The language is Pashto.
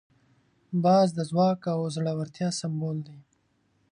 باز د ځواک او زړورتیا سمبول دی